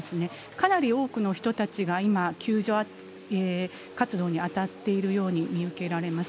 かなり多くの人たちが今、救助活動に当たっているように見受けられます。